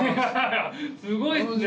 すごいっすね。